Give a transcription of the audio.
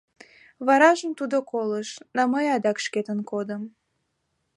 Варажым тудо колыш, да мый адак шкетын кодым.